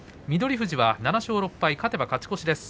富士は７勝６敗勝てば勝ち越しです。